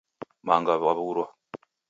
Manga wawurwa